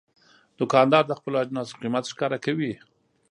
دوکاندار د خپلو اجناسو قیمت ښکاره کوي.